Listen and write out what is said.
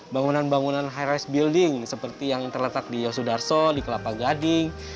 bangunan bangunan high risk building seperti yang terletak di yosudarso di kelapa gading